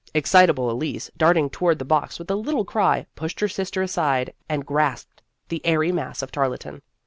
Excitable Elise, darting toward the box with a little cry, pushed her sister aside, and grasped the airy mass of tarlatan.